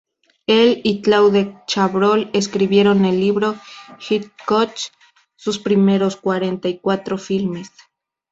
Él y Claude Chabrol escribieron el libro "Hitchcock, sus primeros cuarenta y cuatro filmes".